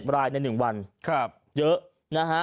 รายใน๑วันเยอะนะฮะ